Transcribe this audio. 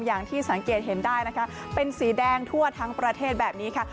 อย่างที่สังเกตเห็นได้นะคะเป็นสีแดงทั่วทั้งประเทศแบบนี้ค่ะ